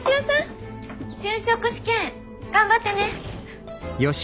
就職試験頑張ってね！